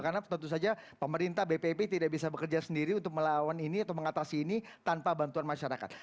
karena tentu saja pemerintah bpp tidak bisa bekerja sendiri untuk melawan ini atau mengatasi ini tanpa bantuan masyarakat